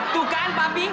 tuh kan papi